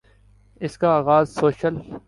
اس کا آغاز سوشل